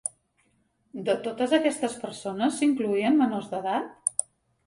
De totes aquestes persones, s'incloïen menors d'edat?